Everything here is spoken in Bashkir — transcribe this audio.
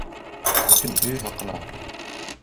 Бөтөн өйөр хаҡына!